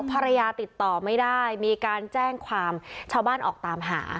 ภรรยาติดต่อไม่ได้มีการแจ้งความชาวบ้านออกตามหา